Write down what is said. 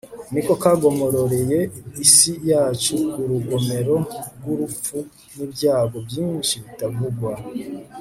niko kagomororeye isi yacu urugomero rw'urupfu n'ibyago byinshi bitavugwa